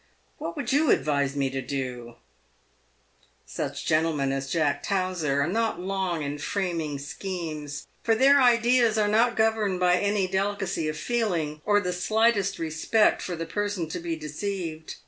What would you advise me to do r" Such gentlemen as Jack Towser are not long in framing schemes, for their ideas are not governed by any delicacy of feeling, or the slightest respect for the person to be deceived.